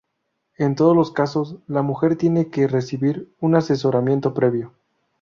En todos los casos, la mujer tiene que recibir un asesoramiento previo.